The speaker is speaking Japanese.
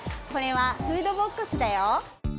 これは「フードボックス」だよ！